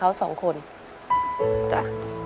แหละ